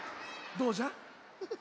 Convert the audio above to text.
どうじゃ？